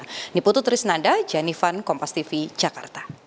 ini putu trisnanda jenifan kompas tv jakarta